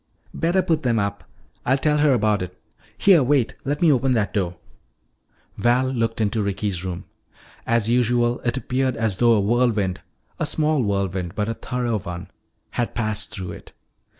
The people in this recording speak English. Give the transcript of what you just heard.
"Better put them up. I'll tell her about it. Here wait, let me open that door." Val looked into Ricky's room. As usual, it appeared as though a whirlwind, a small whirlwind but a thorough one, had passed through it.